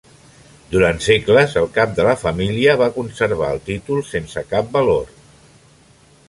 Durant segles el cap de la família va conservar el títol sense cap valor.